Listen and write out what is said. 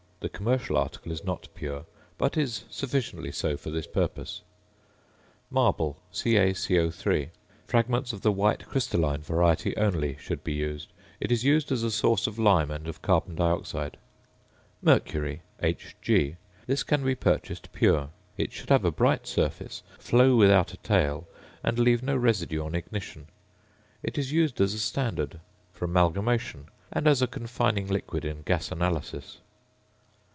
The commercial article is not pure, but is sufficiently so for this purpose. ~Marble~, CaCO_. Fragments of the white crystalline variety only should be used. It is used as a source of lime and of carbon dioxide. ~Mercury~, Hg. This can be purchased pure. It should have a bright surface, flow without a tail, and leave no residue on ignition. It is used as a standard; for amalgamation; and as a confining liquid in gas analysis.